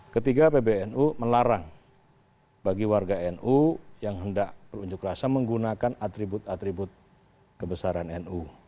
ketiga pbnu melarang bagi warga nu yang hendak berunjuk rasa menggunakan atribut atribut kebesaran nu